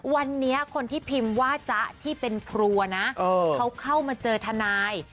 วันนี้คนที่พิมพ์ว่าจ๊ะที่เป็นครัวนะเขาเข้ามาเจอทนาย